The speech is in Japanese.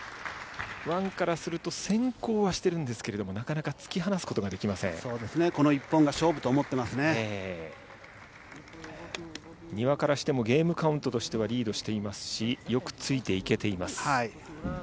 ワンからすると先行はしてるんですけれども、なかなか突き放すこそうですね、丹羽からしてもゲームカウントとしてはリードしていますし、よくついていけています。